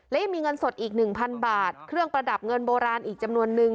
และยังมีเงินสดอีก๑๐๐บาทเครื่องประดับเงินโบราณอีกจำนวนนึง